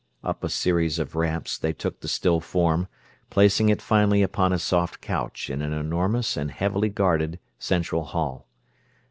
Up a series of ramps they took the still form, placing it finally upon a soft couch in an enormous and heavily guarded central hall.